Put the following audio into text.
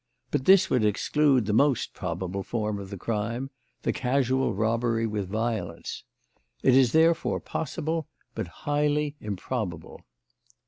But this would exclude the most probable form of the crime the casual robbery with violence. It is therefore possible, but highly improbable.